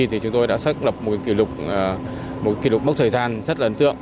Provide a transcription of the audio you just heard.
thì chúng tôi đã xác lập một kỷ lục một mốc thời gian rất là ấn tượng